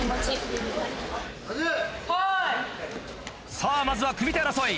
さぁまずは組み手争い。